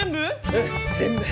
うん全部。